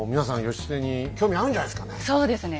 義経に興味あるんじゃないですかね。